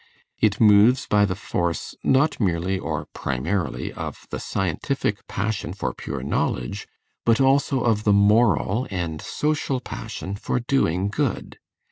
It moves by the force, not merely or primarily of the scientific passion for pure knowledge, but also of the moral and social passion for doing good.